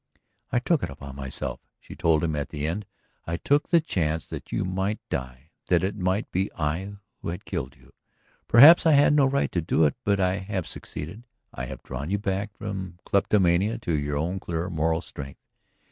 "I took it upon myself," she told him at the end. "I took the chance that you might die; that it might be I who had killed you. Perhaps I had no right to do it. But I have succeeded; I have drawn you back from kleptomania to your own clear moral strength.